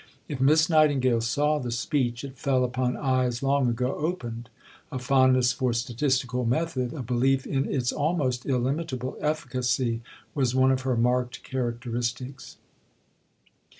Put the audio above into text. If Miss Nightingale saw the speech, it fell upon eyes long ago opened. A fondness for statistical method, a belief in its almost illimitable efficacy, was one of her marked characteristics.